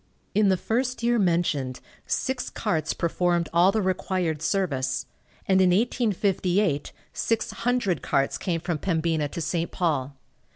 In the first year mentioned six carts performed all the required service, and in 1858 six hundred carts came from Pembina to St. Paul.